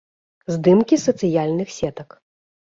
Здымкі з сацыяльных сетак.